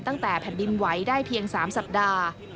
ตั้งแต่แผ่นดินไหวได้เพียง๓สัปดาห์